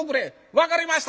「分かりました！」。